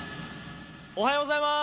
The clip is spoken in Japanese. おはようございます。